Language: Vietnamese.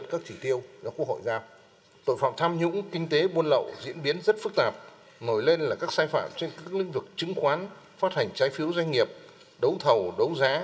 các sai phạm trên các lĩnh vực chứng khoán phát hành trái phiếu doanh nghiệp đấu thầu đấu giá